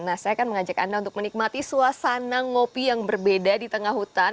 nah saya akan mengajak anda untuk menikmati suasana ngopi yang berbeda di tengah hutan